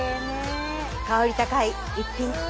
香り高い逸品。